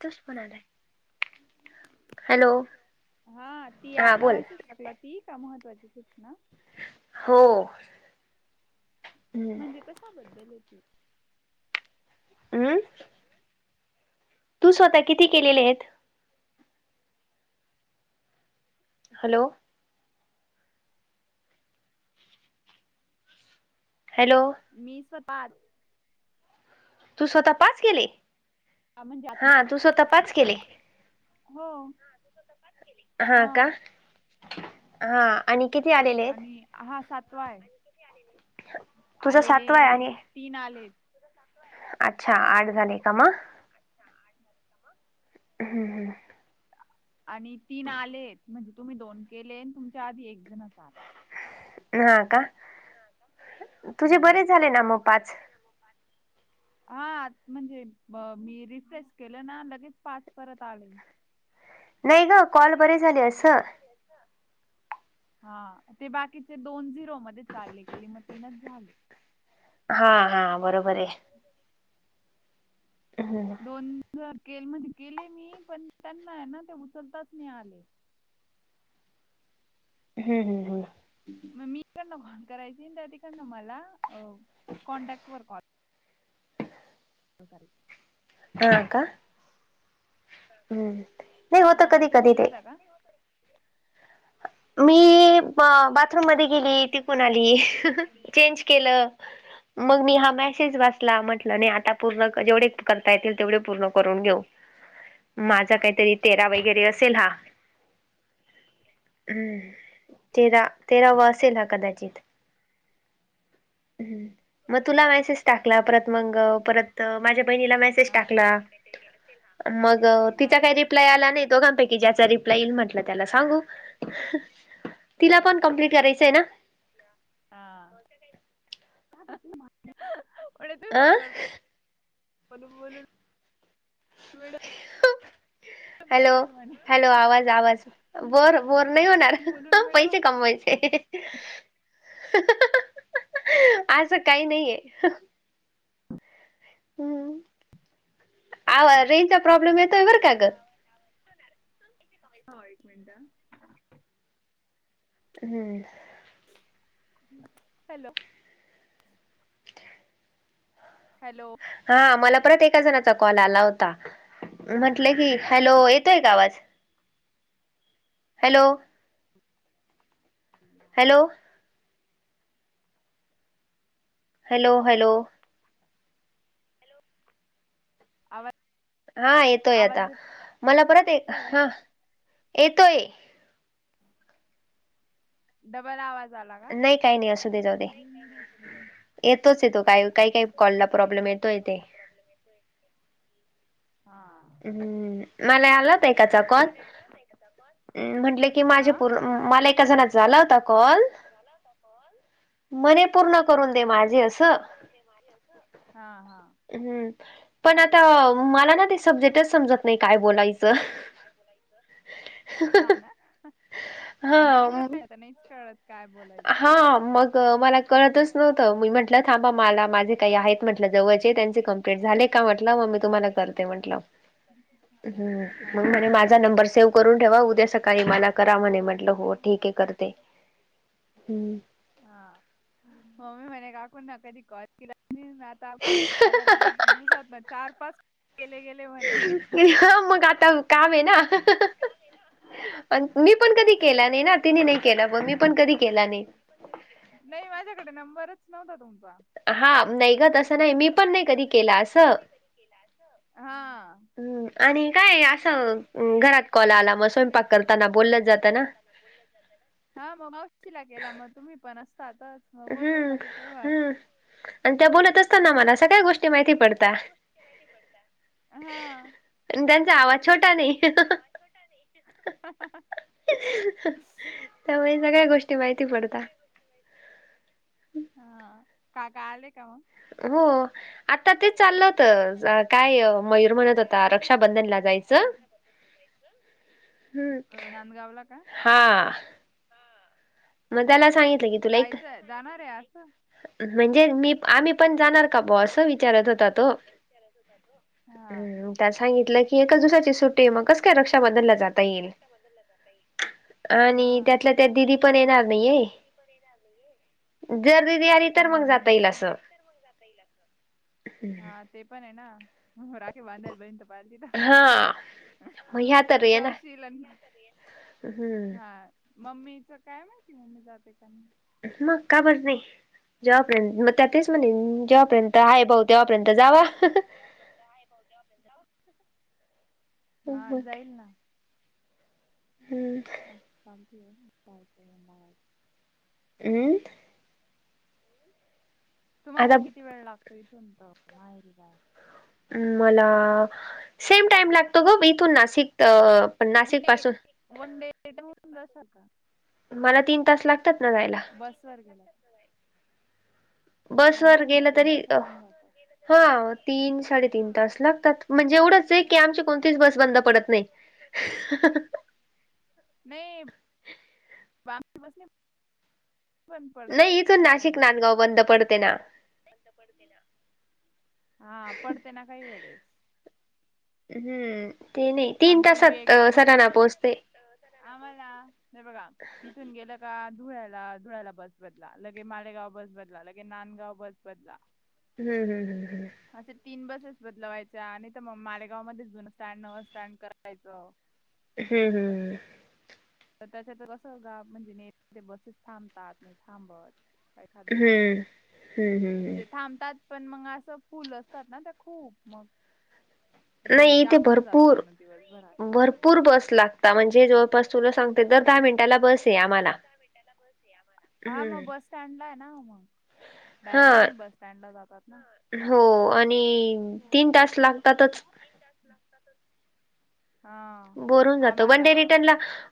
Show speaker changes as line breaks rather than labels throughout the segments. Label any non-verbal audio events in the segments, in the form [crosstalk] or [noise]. तूच म्हणालाय.
हॅलो. हा. ती आता [unintelligible] टाकला ती का महत्त्वाची सूचना?
हो.
म्हणजे कशाबद्दल आहे ती?
अं? तू स्वतः किती केलेले आहेत? हॅलो. हॅलो.
मी स्वतः-
तू स्वतः पाच केले?
[unintelligible] तु स्वतः पाच केले? हो. हां. तु स्वतः -
हा का? हा. आणि किती आलेलेत? तुझा सातवाय आणि.
तीन आलेत.
अच्छा. आठ झाले का म?
अच्छा. आठ झाले का म?
हम् हम.
आणि तीन आलेत म्हणजे तुम्ही दोन केले तुमच्या आधी एक जण अस आले.
हा का तुझे बरे झाले ना मग पाच.
[unintelligible] हा त म्हणजे मी रिफ्रेश केलं ना लगेच पाच परत आले.
नाही ग.
नाही ग कॉल बरेच झालेत ना हा ते बाकीचे दोन झिरो मध्ये चालले गेले मग तीनच झाले.
हा हा बरोबराय.
दोन केले म्हणजे केले मी पण त्यांना आहे ना ते उचलताच नाही आले.
हं हं हं
मग मी इकडन कॉल करायची त्या तिकडन मला कॉन्टॅक्ट वर कॉल [unintelligible]
हा का. हम्म नाही होत कधी कधी ते.
का?
मी बाथरूम मध्ये गेली तिकून आली चेंज केलं.
[inaudible]
मग मी हा मेसेज वाचला म्हटलं नाही आता पूर्ण जेवढे करता येतील तेवढे पूर्ण करून घेऊ.
[inaudible]
माझा काहीतरी तेरा वगैरे असेल हा. हं तेरा तेराव असेल हा कदाचित. मग तुला मेसेज टाकला परत मग परत माझ्या बहिणीला मॅसेज टाकला मग तिचा काही रिप रिप्लाय आला नाही दोघांपैकी ज्याचा रिप्लाय येईल म्हटलं त्याला सांगू.
मेसेज टाकलव
तिला पण कम्प्लीट करायचं आहे ना.
हा [unintelligible] फोन वर. [unintelligible] बोलून वेडे
हॅलो हॅलो आवाज आवाज. बोर बोर नाही होणार. पैसे कमवायचे. असं काही नाहीय. हं आवाज रेंजचा प्रॉब्लेम येतोय बरं का ग.
[unintelligible] हो एक मिनिट.
हं
[inaudible] हॅलो हॅलो
हा मला परत एका जणाचा कॉल आला होता. म्हटलं की हॅलो येतोय का आवाज. हॅलो.
[unintelligible]
हॅलो. Hello hello. हा येतोय आता मला परत एक हा येतोय.
डबल आवाज आला का? नाही काय नाही असु दे राहूदे.
येतोच येतो काही काही काही कॉलला प्रॉब्लेम येतोय तेे.
प्रॉब्लम येतोय हा.
हं मला आला होता एकाचा कॉल. हं म्हटलं की माझे पूर मला एका जणाचा आला होता
मला एका जणाचा आला होता कॉल.
मणे पूर्ण करून दे माझे असं. हम्म पण आता मला ना ते स जे समजत नाही काय बोलायचं. हा.
नाहीच कळत काय बोलायचं.
मला कळतच नव्हतं मी म्हटलं थांबा मला माझे काही आहेत म्हटलं जवळचे त्यां क डेट झाले का म्हट मग मी तुम्हाला करते म्हटलं.
ते हा माझा नंबर सेव्ह करून ठेवा उद्या सकाळी मला करा म्हणे म्हटलं.
हम्म.
हा म्मी मणे काक ना कधी कॉल केला. आता लगे दिसात चार पाच केले गेले.
ह मग आता काम आहे ना.
ह ना.
मी पण कधी केला नाही ना तिने नाही केला पण मी पण कधी केला नाही.
नाही माझ्याकडे नंबरच नव्हता तुमचा
हा नाही ग तस असं नाही मी पण नाही कधी केला असं.
केला अस हा.
हं आणि काय असं घरात कॉल आला मग स्वयंपाक करताना बोललंच जातं ना.
ब जात हा मग मावशीला केला मग तुम्ही पण असतातच.
हम्म हम्म. आणि त्या बोलत असताना मला सगळ्या गोष्टी माहिती पडतात त्यांचा आवाज छोटा नाही. त्यामुळे सगळ्या गोष्टी माहिती पडतात.
हा का काले कामा
हो. आता ते चाललं होत काय मयूर म्हणत होता रक्षाबंधनला जायचं.
अ नांदगावला का?
मग त्याला सांगितलं की तुला एक
जाणार आहे असं.
म्हणजे मी
म्हणजे मी आम्ही पण जाणार का बो अस विचारत होता तो
त्या सांगितलं.
त्याचा म्हटलं की एकजसाठी सुटी मगच काय रक्षा बदललं जातई हा आणि त्यातला त्यात दिरी पण येणार नाहीये. तर आपली तर मग जाता येईल असं. हा ते पण आहे ना राखे बांध्याल बई पाती
हा.
तुझाशीलील हा. मम्मीच काय माहिती मम्मी जाते त्यांना
मग का बज नाही जवपर्यंत त्या तेच म्हणे जेव्हापर्यंत हाय भाऊ तेव्हापर्यंत जावा.
आहे भा हा जाईल ना.
हम्म.
अ ल ठ बाय बा.
हमं.
तुम्हाला किती वेळ लागतो इथून तरय जा.
मला सेम टाइम लागतो ग इथून नाशिक पण नाशिक पासून
वन डेडेटऊन जा का?
मला तीन तास लागतात ना जायला.
बस वर गेला.
बस वर गेलं तरी अ हा तीन साडेतीीन तास लागतात म्हणजे एवढंच आहे की आमची कोणतीच बस बंद पडत नाही. [unintelligible]
नाही. बाम बसले.
नाही इथून नाशिक नांदगाव बंद पडते ना.
पते हा पडते ना काही वेळेस.
हम्म ते नाही तीन तासात सराना पोहोचते.
आम्हाला नाही बघा इथून गेलं का धुळ्याला धुळ्याला बस बदला लगे मालेगाव बस बदला लगे नांदगाव बस बदला.
हम्म हम हम् हम्.
असे तीन बसेस बदलवायच्या आणि तर मग मालेगाव मध्येच जन स्टँड नव स्टँड करायचं.
हम् हम्.
तर त्याच्यात कसं म्हणजे नाही बसेस थांबतात नाही थांबत. कायखाद वेस जे थांबतात. पण मग असं फुल असतात ना ते खूप मग
नाही इथे भरपूर भरपूर बस लागता म्हणजे जवळपास तुला सांग. दर दहा मिनटाला बस आहे आम्हाला
मग बस सड ला आहे मग डायरेक्ट तुम्ही? पड जात.
हो आणि तीन तास लागतातच.
हा आम्हाला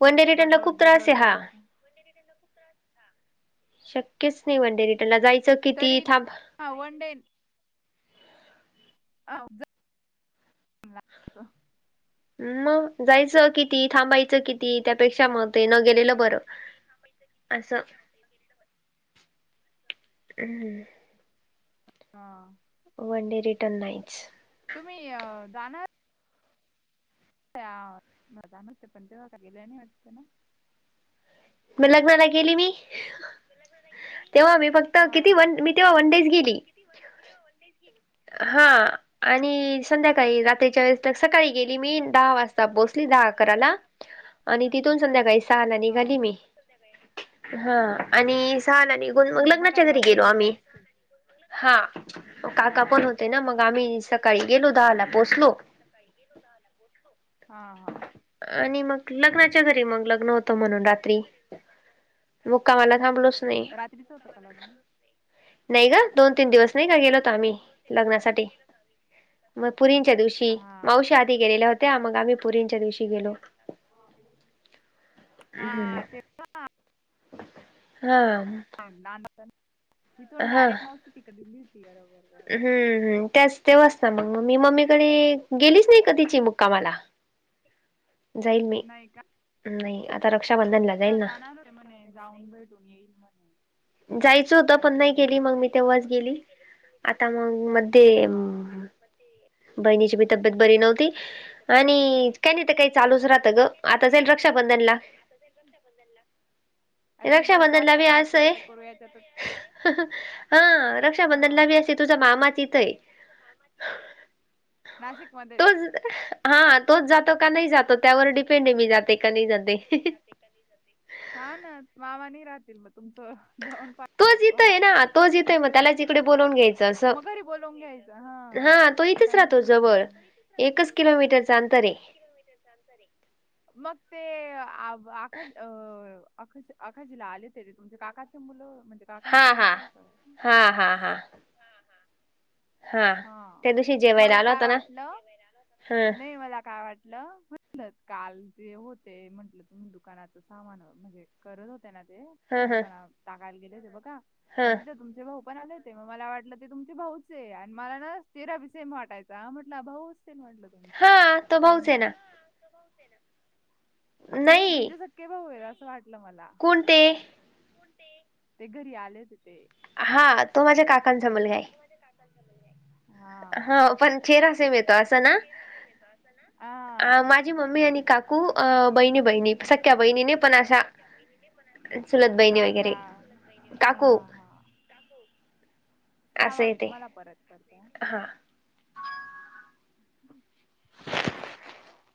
वन
बदलवत बदलवत जायचं.
शक्यच नाही वनडे रिटर्न ला जायचं किती थांब.
हां वन डडे ह.
मग जायचं किती थांबायचं किती त्यापेक्षा मग ते न गेलेलं बरं असं. हम्.
हा.
One day return nights.
तुम्ही दना ते म जाणते पण तेव्हा का गेल्या नाही वाटते ना.
मग लग्नाला गेली मी तेव्हा मी फक्त किती वन मी तेव्हा वन डेच गेली.
वने डे च केली.
हा आणि संध्याकाळी रात्रीच्या वेळेस सकाळी गेली मी दहा वाजता पोचली दहा अकराला आणि तिथून संध्याकाळी सहाला निघाली मी हा आणि सहाला निघून मग लग्नाच्या घरी गेलो आम्ही हा काका पण होते ना मग आम्ही स
का काप होते ना मग आम्ही सकाळी गेलो दहाला पोहचलो ह ह.
आणि मग लग्नाच्या घरी मग लग्न होतं म्हणून रात्री मग कामाला थांबलोच नाही. नाही का दोन तीन दिवस नाही का गेलोत आम्ही
[unintelligible] माश आधी गेलेले होते हा.
हा.
तीथोून डायरेक्ट मावशी तिकडे दिली होती बरोबर.
हम्म हम् त्याच तेव्हा असता मग मग मी मम्मीकडे गेलीच नाही काधिची मुक्कामाला जाईल मी नाही आता रक्षाबंधनला जाईल ना.
म्हणे जाऊन भेटून येईल म्हणे
जायच. हो पण नाही गेली मग मी तेव्हाच गेली आता मग मध्ये बहिणीचीीब्येत बरी नव्हती.
बहिणीची बी तब्येत बरी नव्हती आणि काय तिथ काही चालूच राहत ग आता जाईल रक्षाबंधनला अ दिवस असं काय करू काय करू याच्यात‌.
हा रक्षाबंधनला बी असे तुझा मामाच इथय.
नाशिकमध्येध्येच.
हा तोच जातो का नाही जातो त्यावर डिपेंड आहे मी जाते का नाही जाते.
हा ना मावानी राहतील मग तुमचं जाऊन पाहि बाहे त मगरी बोलवून घ्यायच हा. कनाक बर ब.
एकच किलोमीटरचं अंतर आहे.
म अह अख आखजला आले तरी तुमचे काकाचे मुलं म्हणजे काकांचे मुलं क हा मला काय वाटलं नाही मला काय वाटलं. काल ते होते म्हंटलं तुम्ही दुकानाचं सामान म्हणजे करत होते ना ते दुकान टाकायला गेले ते बघा मग तिथे तुमचे भाऊ पण आले ते मग मला वाटलं ते तुमचे भाऊचे मला ना तेरापिसेम वाटायचा म्हंटल भाऊ असतील म्हटलं तुमचे लहान भाऊ नाही तुमचे सक्के भाऊ आहे असं वाटलं मला कोणते ते घरी आलेत ते
हा तो माझ्या काकांचा मुल घा आहे.
माझ्या काकांचा म आहे
हा पण रा
ह पण चेहरा सेम येतो असं ना माझी मम्मी आणि काकू महिने महि स्या महि म्हणा काहि ांवा मी तुम्हाला परत करते. अच्छा.